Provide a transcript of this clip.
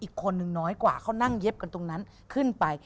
อีกคนนึงน้อยกว่าเขานั่งเย็บกันตรงนั้นขึ้นไป